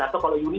atau kalau uni